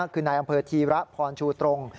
คือนายอำเภอธีระพรชูตรง